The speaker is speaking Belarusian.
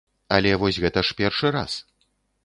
Але вось гэта ж першы раз.